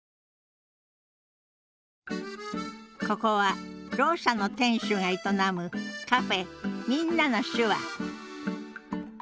ここはろう者の店主が営むカフェ「みんなの手話」